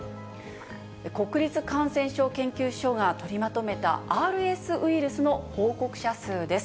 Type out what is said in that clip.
国立感染症研究所が取りまとめたＲＳウイルスの報告者数です。